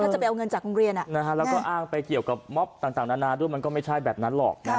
จะไปเอาเงินจากโรงเรียนแล้วก็อ้างไปเกี่ยวกับม็อบต่างนานาด้วยมันก็ไม่ใช่แบบนั้นหรอก